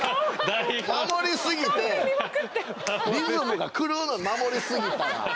守りすぎてリズムが狂うの守りすぎたら。